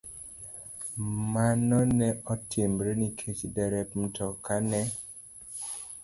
Mano ne otimore nikech derep mtokano ne